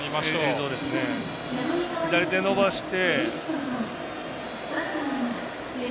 左手伸ばして。